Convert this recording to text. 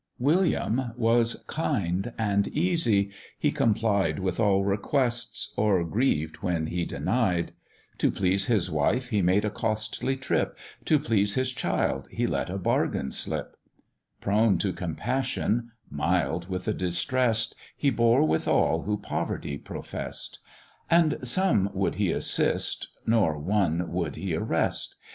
William was kind and easy; he complied With all requests, or grieved when he denied; To please his wife he made a costly trip, To please his child he let a bargain slip; Prone to compassion, mild with the distress'd, He bore with all who poverty profess'd, And some would he assist, nor one would he arrest.